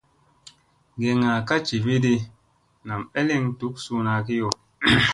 Geŋga ka jividi nam ɓeleŋ duk suuna kiyo.